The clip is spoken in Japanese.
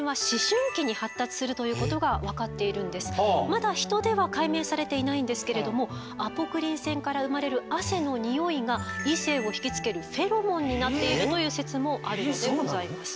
まだ人では解明されていないんですけれどもアポクリン腺から生まれる汗のニオイが異性をひきつけるフェロモンになっているという説もあるのでございます。